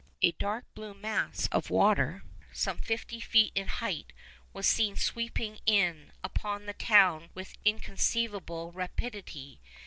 A dark blue mass of water, some fifty feet in height, was seen sweeping in upon the town with inconceivable rapidity.